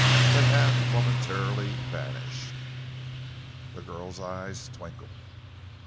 They have momentarily vanished." The girl's eyes twinkled.